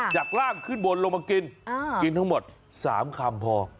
จากร่างขึ้นบนลงมากินกินทั้งหมด๓คำพอ